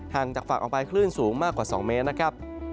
จากฝั่งออกไปคลื่นสูงมากกว่า๒เมตรนะครับ